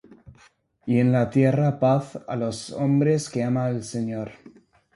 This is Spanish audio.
y en la tierra paz a los hombres que ama el Señor.